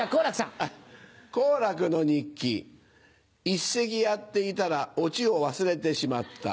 「一席やっていたらオチを忘れてしまった」。